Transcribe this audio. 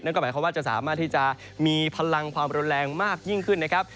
ก็หมายความว่าจะสามารถที่จะมีพลังความรุนแรงมากยิ่งขึ้นนะครับ